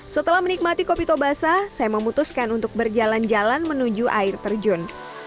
setelah menikmati kopi tobasah saya memutuskan untuk berjalan jalan menuju air terjun